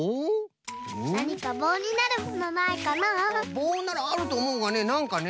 ぼうならあるとおもうがねなんかね。